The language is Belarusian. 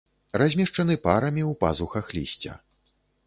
Размешчаны парамі ў пазухах лісця.